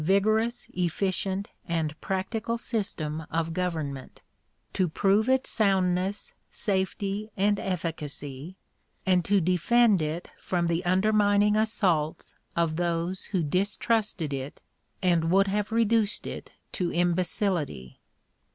060) vigorous, efficient, and practical system of government, to prove its soundness, safety, and efficacy, and to defend it from the undermining assaults of those who distrusted it and would have reduced it to imbecility.